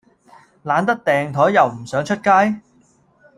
懶得訂枱又唔想出街?